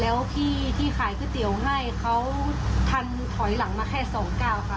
แล้วพี่ที่ขายก๋วยเตี๋ยวให้เขาทันถอยหลังมาแค่๒ก้าวค่ะ